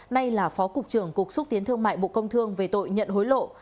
nay là phó cục trưởng cục xúc tiến thương mại bộ công thương về tội nhận hối lộ